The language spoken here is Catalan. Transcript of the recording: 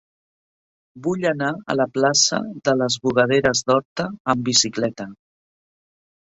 Vull anar a la plaça de les Bugaderes d'Horta amb bicicleta.